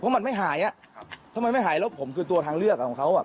เพราะมันไม่หายทำไมไม่หายแล้วผมคือตัวทางเลือกของเขาอ่ะ